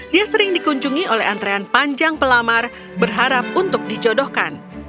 dia sering dikunjungi oleh antrean panjang pelamar berharap untuk dijodohkan